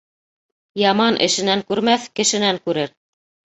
Яман эшенән күрмәҫ, кешенән күрер.